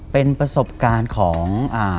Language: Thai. เป็นประสบการณ์ของ